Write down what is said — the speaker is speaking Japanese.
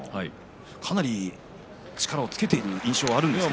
かなり力をつけている印象は何ですか。